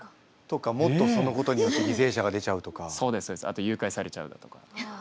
あと誘拐されちゃうだとか。